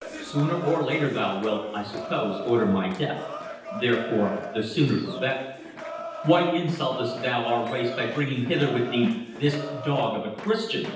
"Sooner or later thou wilt, I suppose, order my death, therefore the sooner the better." "Why insultest thou our race by bringing hither with thee this dog of a Christian?"